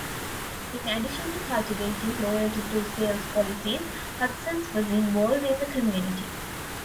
In addition to cultivating loyalty through sales policies, Hudson's was involved in the community.